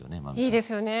いいですよね。